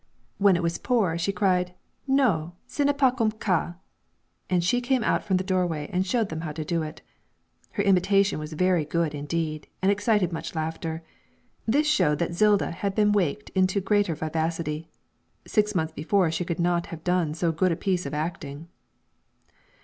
When it was poor she cried, 'Non, ce n'est pas comme ça,' and she came out from the doorway and showed them how to do it. Her imitation was very good indeed, and excited much laughter. This showed that Zilda had been waked into greater vivacity. Six months before she could not have done so good a piece of acting.